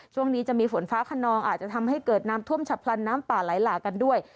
ช่วงนี้จะมีฝนฟ้าขนองอาจจะทำให้เกิดน้ำท่วมฉับพลันน้ำป่าไหลหลากกันด้วย